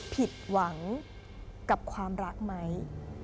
ผิดหวังกับความรักไหม